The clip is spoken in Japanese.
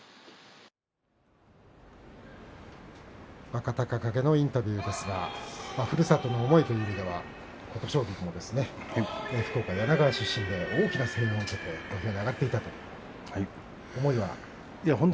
若隆景のインタビューですがふるさとの思いという意味では琴奨菊の福岡・柳川市出身で大きな声援を受けて土俵に上がっていたと思いは？